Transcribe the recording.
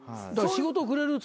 仕事くれるって。